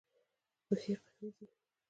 پښې قوي دي.